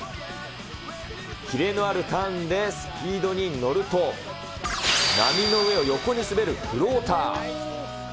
キレのあるターンでスピードに乗ると、波の上を横に滑る、クオーター。